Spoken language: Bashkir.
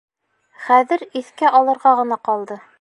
— Хәҙер иҫкә алырға ғына ҡалды.